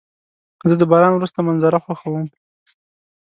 زه د باران وروسته منظره خوښوم.